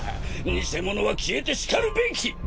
偽物は消えてしかるべき！